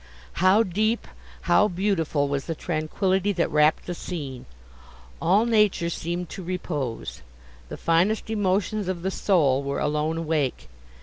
How deep, how beautiful was the tranquillity that wrapped the scene! All nature seemed to repose; the finest emotions of the soul were alone awake.